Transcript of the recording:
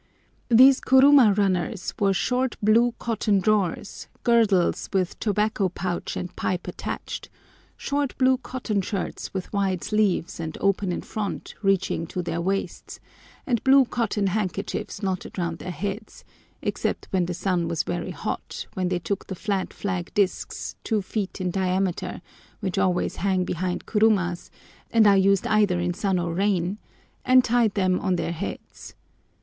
These kuruma runners wore short blue cotton drawers, girdles with tobacco pouch and pipe attached, short blue cotton shirts with wide sleeves, and open in front, reaching to their waists, and blue cotton handkerchiefs knotted round their heads, except when the sun was very hot, when they took the flat flag discs, two feet in diameter, which always hang behind kurumas, and are used either in sun or rain, and tied them on their heads.